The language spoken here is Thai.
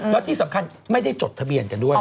แล้วที่สำคัญไม่ได้จดทะเบียนกันด้วย